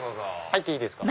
入っていいですか？